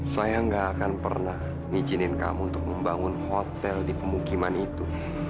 saya gak akan pernah ngizinin kamu untuk membangun hotel di pemukiman itu